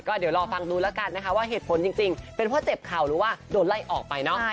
เดี๋ยวรอฟังดูแล้วกันนะคะว่าเหตุผลจริงเป็นเพราะเจ็บเข่าหรือว่าโดนไล่ออกไปเนาะ